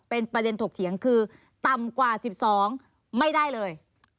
เป็นประเด็นถกเถียงคือต่ำกว่า๑๒ไม่ได้เลย